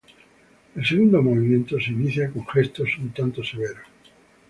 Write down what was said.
El segundo movimiento se inicia con gestos un tanto severos.